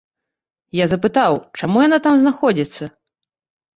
Я запытаў, чаму яна там знаходзіцца.